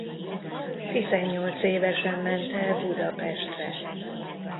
Tizennyolc évesen ment el Budapestre.